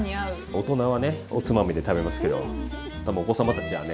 大人はねおつまみで食べますけど多分お子様たちはね